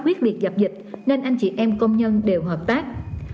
huyết liệt dập dịch nên anh chị em công nhân đều hợp tác